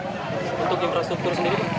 untuk infrastruktur sendiri